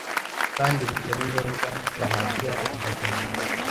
kandi butari ngombwa bahatira umubiri